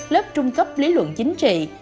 lớp trung cấp lý luận chính trị